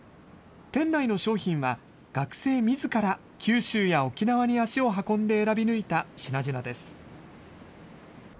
店内の商品は学生みずから、九州や沖縄に足を運んで選び抜いた品々です。